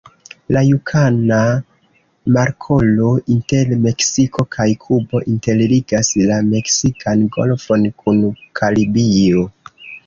La Jukatana Markolo inter Meksiko kaj Kubo interligas la Meksikan Golfon kun Karibio.